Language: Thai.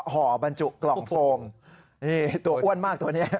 ห่อบรรจุกล่องโฟมนี่ตัวอ้วนมากตัวนี้